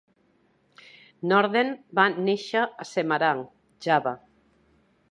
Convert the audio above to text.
Norden va néixer a Semarang, Java.